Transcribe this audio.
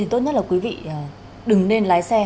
tốt nhất là quý vị đừng nên lái xe